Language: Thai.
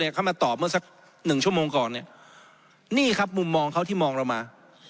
เขามาตอบเมื่อสักหนึ่งชั่วโมงก่อนเนี่ยนี่ครับมุมมองเขาที่มองเรามา